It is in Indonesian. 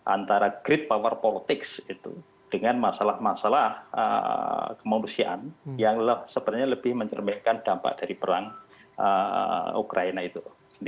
antara great power politics dengan masalah masalah kemanusiaan yang sebenarnya lebih mencerminkan dampak dari perang ukraina itu